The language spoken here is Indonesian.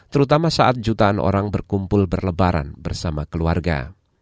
terutama saat jutaan orang berkumpul berlebaran bersama keluarga